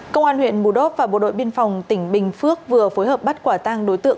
công an huyện mù đốp và bộ đội biên phòng tỉnh bình phước vừa phối hợp bắt quả tăng đối tượng